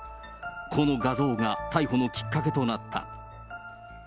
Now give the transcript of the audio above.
この画像が、逮捕のきっかけとなった。